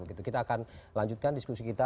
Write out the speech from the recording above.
kita akan lanjutkan diskusi kita